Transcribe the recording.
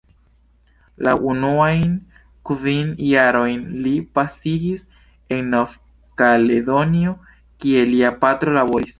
La unuajn kvin jarojn li pasigis en Nov-Kaledonio, kie lia patro laboris.